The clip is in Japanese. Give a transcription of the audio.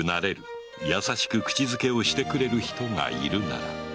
優しく口づけをしてくれる人がいるなら”